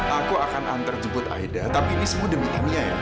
aku akan antarjemput aida tapi ini semua demi kimia ya